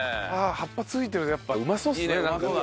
葉っぱ付いてるとやっぱうまそうっすねなんかね。